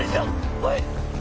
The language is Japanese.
おい！